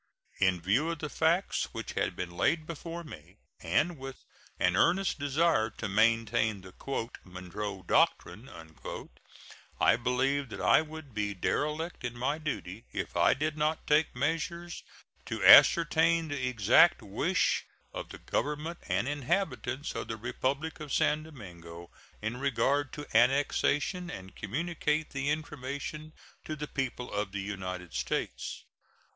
In view of the facts which had been laid before me, and with an earnest desire to maintain the "Monroe doctrine," I believed that I would be derelict in my duty if I did not take measures to ascertain the exact wish of the Government and inhabitants of the Republic of San Domingo in regard to annexation and communicate the information to the people of the United States.